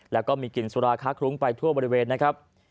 แล้วก็มีกลิ่นสุราคาค้าคลุ้งไปทั่วบริเวณนะครับ